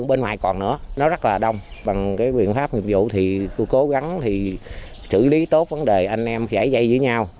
bằng cái quyền pháp nhiệm vụ thì tôi cố gắng thì xử lý tốt vấn đề anh em giải dây với nhau